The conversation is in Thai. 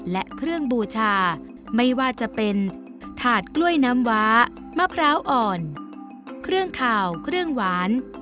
และเครื่องบูชาไม่ว่าจะเป็นถาดกล้วยน้ำว้ามะพร้าวอ่อนเครื่องขาวเครื่องหวาน